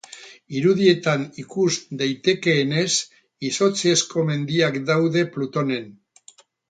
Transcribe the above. Irudietan ikus daitekeenez, izotzezko mendiak daude Plutonen.